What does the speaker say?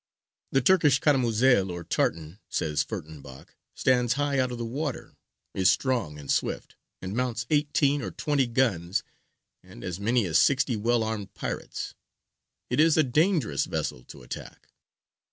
The Turkish caramuzel or tartan, says Furttenbach, stands high out of the water, is strong and swift, and mounts eighteen or twenty guns and as many as sixty well armed pirates. It is a dangerous vessel to attack.